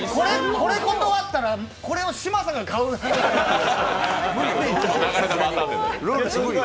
これ断ったらこれを嶋佐が買うっていう。